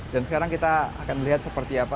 dan sekarang kita akan melihat seperti apa